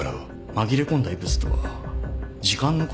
紛れ込んだ異物とは時間のことなんじゃ。